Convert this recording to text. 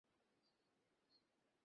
আস্তে, বামে নে।